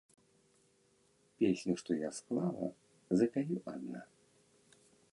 Песню, што я склала, запяю адна.